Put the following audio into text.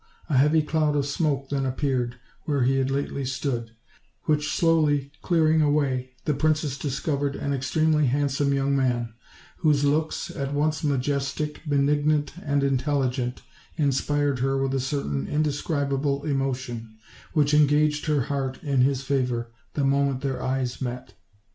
A heavy cloud of smoke then appeared where he had lately stood, which slowly clearing away, the princess dis covered an extremely handsome young man, whose looks, at once majestic, benignant and intelligent, inspired her with a certain indescribable emotion, which engaged her heart in his favor the moment their eyes met.